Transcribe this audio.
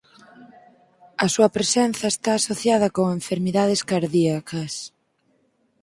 A súa presenza está asociada con enfermidades cardíacas.